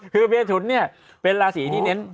คือเมถุนเนี่ยเป็นราศีที่เน้น